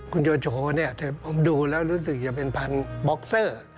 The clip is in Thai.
คุณโยโฉดูแล้วรู้สึกจะเป็นพันธุ์บ็อกเซอร์